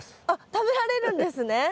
あっ食べられるんですね。